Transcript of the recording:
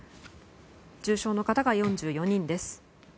重症の方が４４人です。